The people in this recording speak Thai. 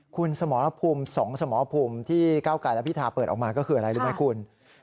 คุณสมรภูมิ๒สมรภูมิที่เก้าไกรและพิธาเปิดออกมาก็คืออะไรรู้ไหมคุณ